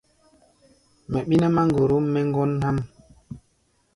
Mɛ ɓí nɛ́ máŋgorom mɛ́ ŋgɔ́n há̧ʼm.